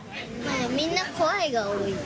みんな怖いが多い。